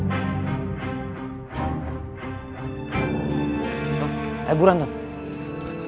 aku sudah menjagamu